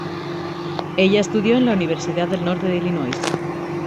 Ella estudió en la Universidad del Norte de Illinois.